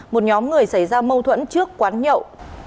một nhóm người xảy ra mâu thuẫn trước quán nhậu